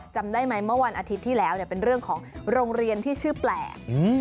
จำได้ไหมเมื่อวันอาทิตย์ที่แล้วเป็นเรื่องของโรงเรียนที่ชื่อแปลก